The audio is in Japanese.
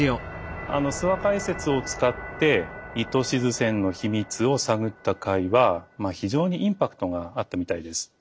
あの諏訪解説を使って糸静線の秘密を探った回は非常にインパクトがあったみたいです。